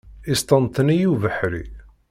Yesṭenṭen-iyi ubeḥri.